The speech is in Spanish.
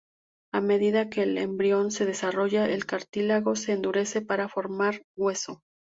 A medida que el embrión se desarrolla, el cartílago se endurece para formar hueso.